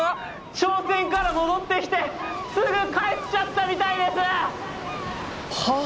朝鮮から戻ってきてすぐ帰っちゃったみたいです！はあ？